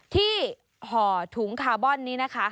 ห่อถุงคาร์บอนนี้นะคะ